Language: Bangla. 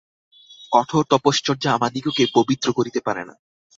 কঠোর তপশ্চর্যা আমাদিগকে পবিত্র করিতে পারে না।